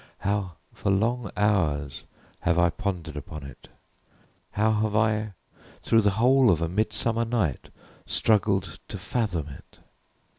How for long hours have I pondered upon it! How have I, through the whole of a midsummer night, struggled to fathom it!